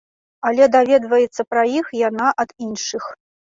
Але даведваецца пра іх яна ад іншых.